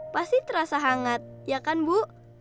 pasti terasa hangat ya kan bu